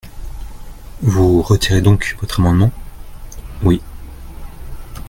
Vous retirez donc votre amendement ? Oui.